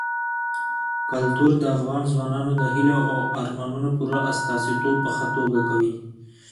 کلتور د افغان ځوانانو د هیلو او ارمانونو پوره استازیتوب په ښه توګه کوي.